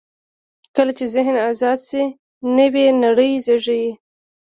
کله چې ذهن آزاد شي، نوې نړۍ زېږي.